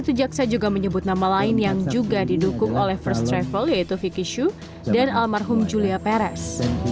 sejak saya juga menyebut nama lain yang juga didukung oleh first travel yaitu vicky shu dan almarhum julia perez